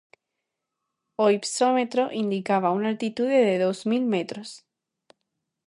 O hipsómetro indicaba unha altitude de dous mil metros.